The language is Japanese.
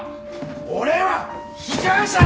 俺は被害者なんだ！！